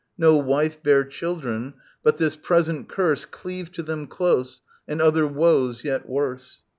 No wife bear children, but this present curse Cleave to them close and other woes yet worse.